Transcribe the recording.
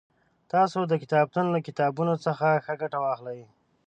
تاسو د کتابتون له کتابونو څخه ښه ګټه واخلئ